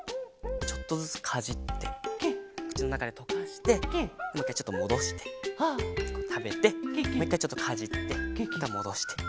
ちょっとずつかじってくちのなかでとかしてもういっかいちょっともどしてたべてもういっかいちょっとかじってまたもどして。